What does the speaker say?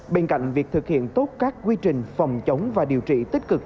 bên cạnh việc thực hiện tốt các quy trình phòng chống và điều trị tích cực